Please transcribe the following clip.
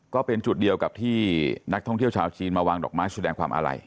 ก็เป็นจุดเดียวกับที่นักท่องเที่ยวชาวจีนมาวางดอกไม้แสดงความอาลัย